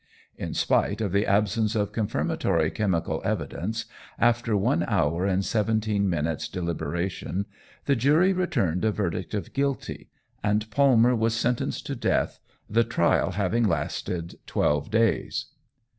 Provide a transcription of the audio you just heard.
In spite of the absence of confirmatory chemical evidence, after one hour and seventeen minutes' deliberation, the jury returned a verdict of "Guilty," and Palmer was sentenced to death, the trial having lasted twelve days.